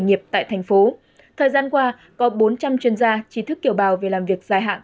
nghiệp tại thành phố thời gian qua có bốn trăm linh chuyên gia trí thức kiểu bào về làm việc dài hạn